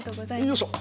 よいしょ。